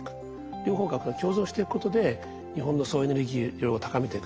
両方が共存していくことで日本の総エネルギー量を高めていくと。